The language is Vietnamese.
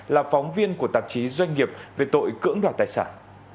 là phóng viên của tạp chí doanh nghiệp về tội cưỡng đoạt tài sản